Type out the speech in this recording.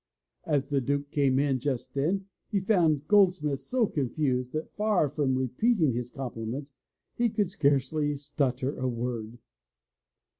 As the Duke came in just then, he found Goldsmith so confused that, far from repeating his compliments, he could scarcely stutter a word.